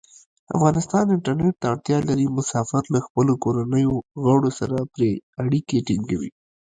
افغانستان انټرنیټ ته اړتیا لري. مسافر له خپلو کورنیو غړو سره پری اړیکې ټینګوی.